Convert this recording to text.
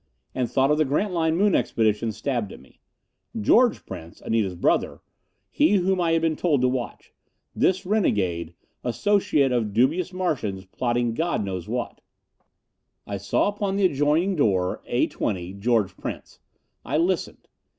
And thought of the Grantline Moon Expedition stabbed at me. George Prince Anita's brother he whom I had been told to watch. This renegade associate of dubious Martians, plotting God knows what. I saw, upon the adjoining door, "A 20, George Prince." I listened.